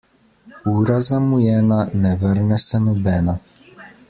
Ura zamujena ne vrne se nobena.